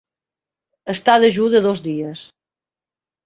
Estar dejú de dos dies.